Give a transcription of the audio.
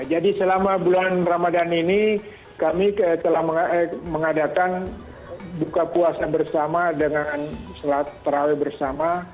selama bulan ramadan ini kami telah mengadakan buka puasa bersama dengan sholat terawih bersama